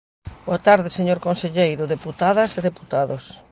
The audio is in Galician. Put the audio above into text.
Boa tarde, señor conselleiro, deputadas e deputados.